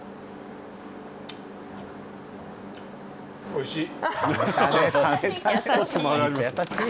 おいしい。